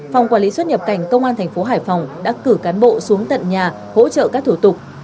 phòng quản lý xuất nhập cảnh công an thành phố hải phòng đã cử cán bộ xuống tận nhà hỗ trợ các thủ tục